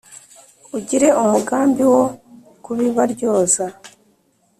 Ugire umugambi wo kubibaryoza